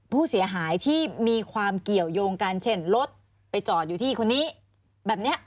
ผู้เสียหายที่มีความเกี่ยวยงกันเช่นรถไปจอดอยู่ที่คนนี้แบบนี้